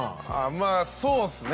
まぁそうですね。